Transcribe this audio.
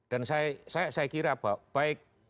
dan saya kira baik